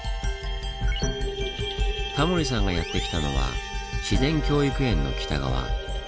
タモリさんがやって来たのは自然教育園の北側。